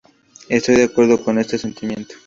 Estoy de acuerdo con este sentimiento.